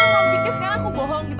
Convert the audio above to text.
aku pikir sekarang aku bohong gitu